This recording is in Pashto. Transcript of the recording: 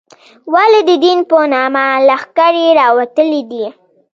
ولې د دین په نامه لښکرې راوتلې دي.